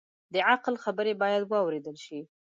د عقل خبرې باید واورېدل شي